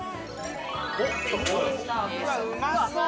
うわっうまそう！